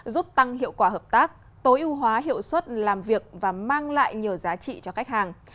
giúp tăng hiệu quả hợp tác tối ưu hóa hiệu suất làm việc và mang lại nhiều giá trị cho khách hàng